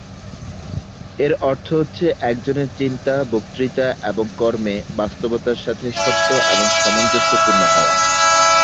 এর অর্থ হচ্ছে একজনের চিন্তা, বক্তৃতা এবং কর্মে বাস্তবতার সাথে সত্য এবং সামঞ্জস্যপূর্ণ হওয়া।